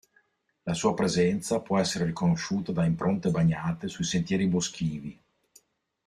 La sua presenza può essere riconosciuta da impronte bagnate sui sentieri boschivi.